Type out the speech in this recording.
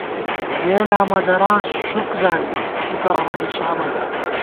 یېلاں مہ دراس ݭُک زانی، فُکہ امَنی شامہ گا